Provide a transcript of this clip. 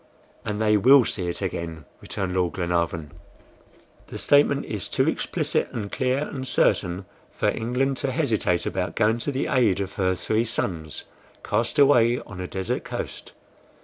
"And they will see it again," returned Lord Glenarvan; "the statement is too explicit, and clear, and certain for England to hesitate about going to the aid of her three sons cast away on a desert coast.